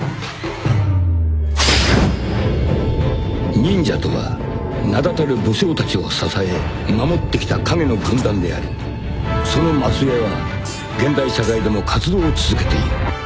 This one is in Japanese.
［忍者とは名だたる武将たちを支え守ってきた影の軍団でありその末裔は現代社会でも活動を続けている］